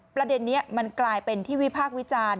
ประเด็นนี้มันกลายเป็นที่วิพากษ์วิจารณ์